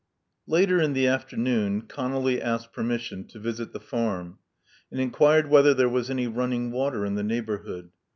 Later in the afternoon, Conolly asked permission to visit the farm, and inquired whether there was any running water in the neighborhood.